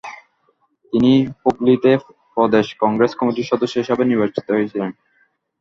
তিনি হুগলিতে প্রদেশ কংগ্রেস কমিটির সদস্য হিসাবে নির্বাচিত হয়েছিলেন।